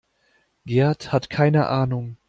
Gerd hat keine Ahnung.